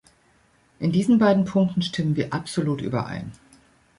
In diesen beiden Punkten stimmen wir absolut überein.